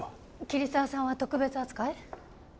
桐沢さんは特別扱い？